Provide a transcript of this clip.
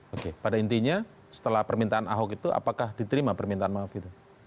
oke pada intinya setelah permintaan ahok itu apakah diterima permintaan maaf itu